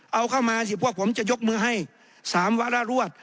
เอาเข้ามาสิพวกผมจะยกมือให้๓วาระรวด